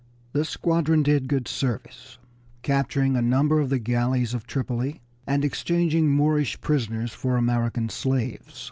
This squadron did good service, capturing a number of the galleys of Tripoli, and exchanging Moorish prisoners for American slaves.